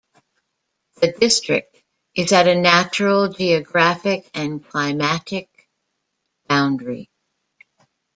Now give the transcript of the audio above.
The district is at a natural geographic and climatic boundary.